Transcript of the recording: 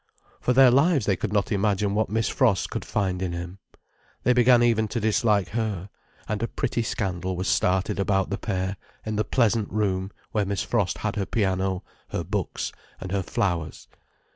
For their lives they could not imagine what Miss Frost could find in him. They began even to dislike her, and a pretty scandal was started about the pair, in the pleasant room where Miss Frost had her piano, her books, and her flowers.